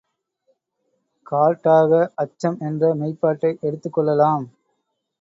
காட்டாக அச்சம் என்ற மெய்ப்பாட்டை எடுத்துக் கொள்ளலாம்.